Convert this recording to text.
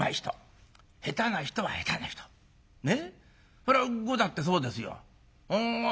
それは碁だってそうですよ。